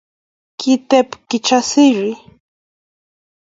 Kiteb Kijasiri